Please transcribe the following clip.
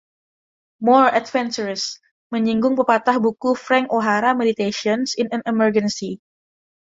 "More Adventurous" menyinggung pepatah buku Frank O'Hara Meditations in an Emergency.